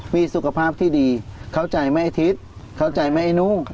มีสุขภาพที่ดีเข้าใจไหมอาทิตย์เข้าใจไหมอันนู้